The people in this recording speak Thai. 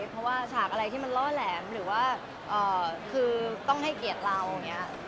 เพราะว่าฉากอะไรที่มันล่อแหลมหรือว่าคือต้องให้เกียรติเราอย่างนี้